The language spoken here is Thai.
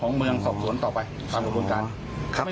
ของเมืองสอบสวนต่อไปความผิดผลตัด